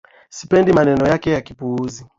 Sipendi maneno yake ya kiupuzi